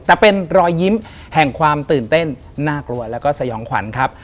แต่เป็นรอยยิ้มแห่งความตื่นเต้นน่ากลัวแล้วก็สยองขวัญครับ